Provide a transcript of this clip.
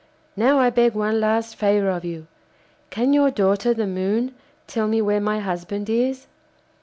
Now I beg one last favour of you; can your daughter, the Moon, tell me where my husband is?